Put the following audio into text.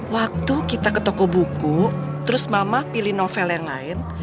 waktu kita ke toko buku terus mama pilih novel yang lain